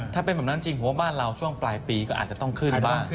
ถ้าเป็นแบบนั้นจริงผมว่าบ้านเราช่วงปลายปีก็อาจจะต้องขึ้นบ้าง